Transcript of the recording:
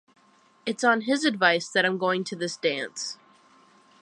It's on his advice that I'm going to this dance.